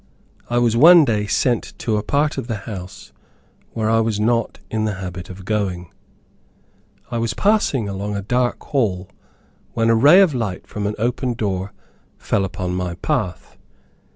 I was one day sent to a part of the house where I was not in the habit of going. I was passing along a dark hall, when a ray of light from an open door fell upon my path.